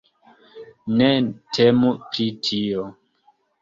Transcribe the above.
Ne temu pri tio.